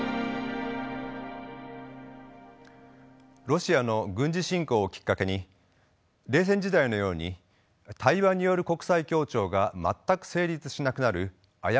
ロシアの軍事侵攻をきっかけに冷戦時代のように対話による国際協調が全く成立しなくなる危うさを感じます。